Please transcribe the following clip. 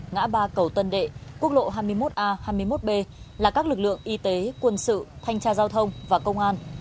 ngã ba cầu tân đệ quốc lộ hai mươi một a hai mươi một b là các lực lượng y tế quân sự thanh tra giao thông và công an